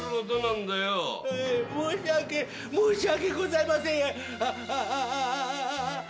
はい申し訳ございません。